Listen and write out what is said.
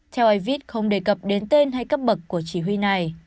theo ai viết không đề cập đến tên hay cấp bậc của chỉ huy này